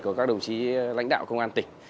của các đồng chí lãnh đạo công an tỉnh